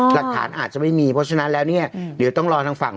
หลักฐานอาจจะไม่มีเพราะฉะนั้นแล้วเนี่ยเดี๋ยวต้องรอทางฝั่ง